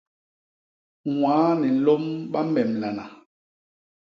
Ñwaa ni nlôm ba memlana.